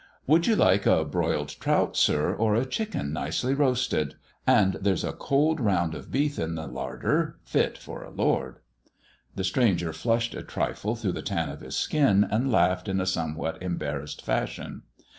" Would you like a broiled trout, sir, or a chicken nicely roasted ] And there's a cold round of beef in the larder fit for a lord." The stranger flushed a trifle through the tan of his skin, and laughed in a somewhat embarrassed fashion.